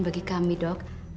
bagi kami dok